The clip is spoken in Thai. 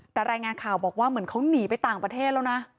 แต่รายงานข่าวบอกว่าเหมือนเขาหนีไปต่างประเทศแล้วนะ